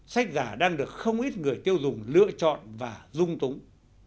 sách giả đang được không ít người tiêu dùng lựa chọn và dung túng